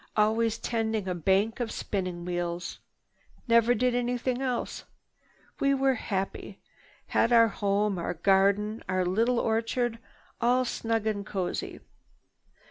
"Always tending a bank of spinning wheels. Never did anything else. We were happy. Had our home, our garden, our little orchard all snug and cozy.